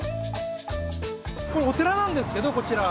これお寺なんですけどこちら。